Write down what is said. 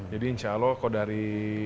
insya allah kalau dari